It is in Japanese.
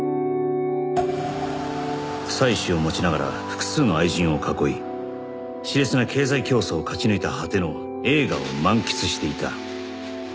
妻子を持ちながら複数の愛人を囲い熾烈な経済競争を勝ち抜いた果ての栄華を満喫していた